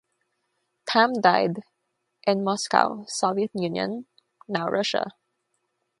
Tamm died in Moscow, Soviet Union, now Russia.